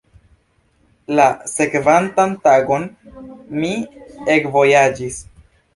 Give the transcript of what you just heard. La sekvantan tagon mi ekvojaĝis.